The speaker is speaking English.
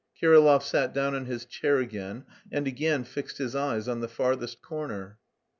Kirillov sat down on his chair again and again fixed his eyes on the farthest corner.